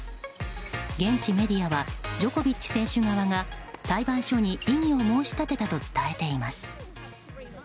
現地メディアはジョコビッチ選手側が裁判所に異議を申し立てたと伝えています。